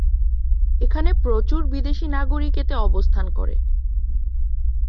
এখানে প্রচুর বিদেশী নাগরিক এতে অবস্থান করে।